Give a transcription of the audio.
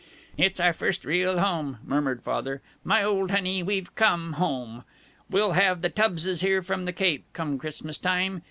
"It's our first real home," murmured Father. "My old honey, we've come home! We'll have the Tubbses here from the Cape, come Christmas time.